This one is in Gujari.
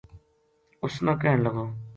اُس نا کہن لگو